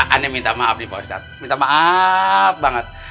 aneh minta maaf nih pak ustadz minta maaf banget